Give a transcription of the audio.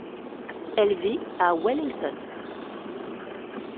Elle vit à Wellington.